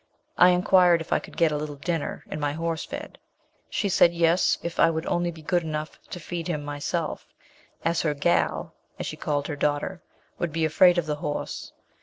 I inquired if I could get a little dinner, and my horse fed. She said, yes, if I would only be good enough to feed him myself, as her 'gal,' as she called her daughter, would be afraid of the horse.